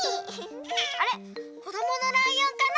あれこどものライオンかな？